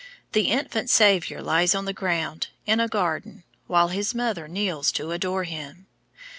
The Infant Saviour lies on the ground, in a garden, while his mother kneels to adore him.